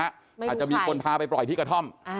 อาจจะมีคนพาไปปล่อยที่กระท่อม